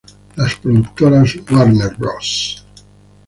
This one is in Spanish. Las productoras Warner Bros.